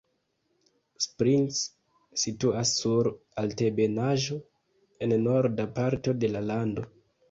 Springs situas sur altebenaĵo en norda parto de la lando.